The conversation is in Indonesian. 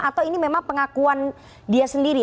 atau ini memang pengakuan dia sendiri